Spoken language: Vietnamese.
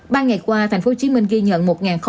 ba ngày qua thành phố hồ chí minh ghi nhận